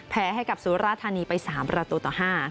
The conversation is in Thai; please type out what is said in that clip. แพ้ให้กับสุราธานีไป๓ประตูต่อ๕